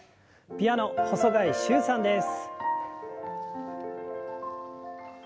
ピアノ細貝柊さんです。